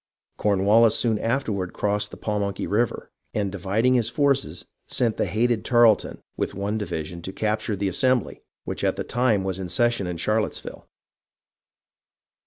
Cornwallis soon afterward crossed the Pamunkey River, and dividing his forces sent the hated Tarleton with one division to capture the Assembly, which at the time was in session at Charlotteville.